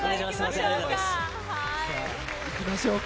行きましょうか。